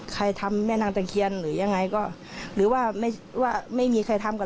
ทำแม่นางตะเคียนหรือยังไงก็หรือว่าไม่ว่าไม่มีใครทำก็